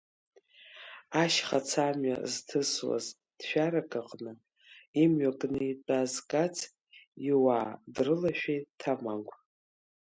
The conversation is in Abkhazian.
Ашьхацамҩа зҭысуаз ҭшәарак аҟны имҩа кны итәаз Кац иуаа дрылашәеит Ҭамагә.